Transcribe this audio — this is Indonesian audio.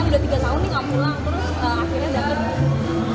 udah tiga tahun nih gak pulang terus akhirnya dapet